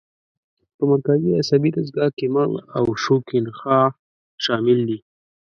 په مرکزي عصبي دستګاه کې مغز او شوکي نخاع شامل دي.